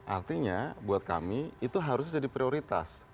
artinya buat kami itu harusnya jadi prioritas